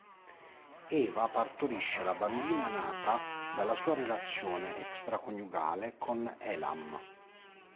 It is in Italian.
Eva partorisce la bambina nata dalla sua relazione extraconiugale con Elam.